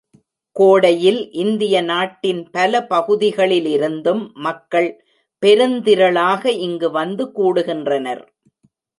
கோடையில் இந்திய நாட்டின் பல பகுதிகளிலிருந்தும் மக்கள் பெருந்திரளாக இங்கு வந்து கூடுகின்றனர்.